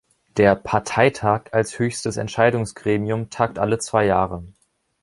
Der "Parteitag" als höchstes Entscheidungsgremium tagt alle zwei Jahre.